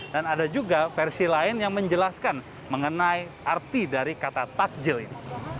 dan ada juga versi lain yang menjelaskan mengenai arti dari kata takjil ini